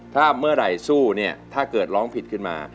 ถ้าเมื่อไหร่สู้เนี่ยถ้าเกิดร้องผิดขึ้นมา